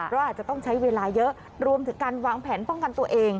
เราอาจจะต้องใช้เวลาเยอะรวมถึงการวางแผนป้องกันตัวเอง